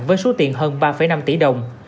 với số tiền hơn ba năm tỷ đồng